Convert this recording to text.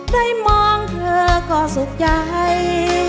ได้มองเธอก็สุขใจ